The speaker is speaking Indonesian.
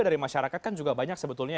dari masyarakat kan juga banyak sebetulnya